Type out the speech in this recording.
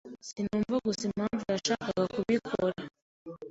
Sinumva gusa impamvu yashaka kubikora.